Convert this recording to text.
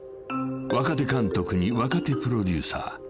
［若手監督に若手プロデューサー］